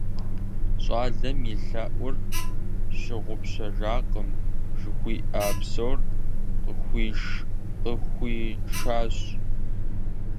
ЩӀалэм а лъэӀур щыгъупщакъым - жыхуиӀа псори къыхуишащ.